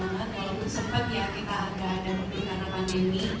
walaupun sempat ya kita agak agak lebih karena pandemi